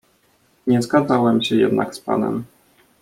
"Nie zgadzałem się jednak z panem."